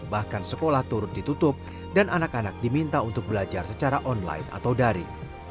bahkan sekolah turut ditutup dan anak anak diminta untuk belajar secara online atau dari